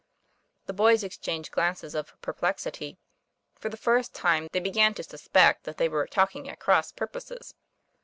The boys exchanged glances of perplexity. For the first time, they began to suspect that they were talking at cross purposes.